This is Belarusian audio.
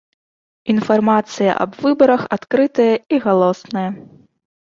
Інфармацыя аб выбарах адкрытая і галосная.